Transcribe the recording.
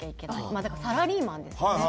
まあだからサラリーマンですね。